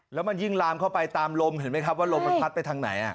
แล้วมันยิ่งลามเข้าไปตามลมเห็นไหมครับว่าลมมันพัดไปทางไหน